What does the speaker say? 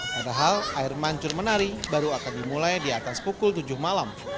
padahal air mancur menari baru akan dimulai di atas pukul tujuh malam